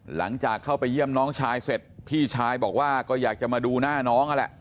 หลังจากเข้าไปเยี่ยมน้องชายเสร็จพี่ชายบอกว่าก็อยากจะมาดูหน้าน้องนั่นแหละ